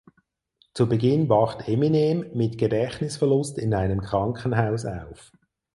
Zu Beginn wacht Eminem mit Gedächtnisverlust in einem Krankenhaus auf.